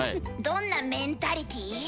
どんなメンタリティー？